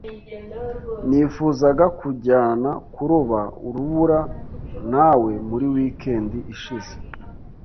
Nifuzaga kujyana kuroba urubura nawe muri weekend ishize.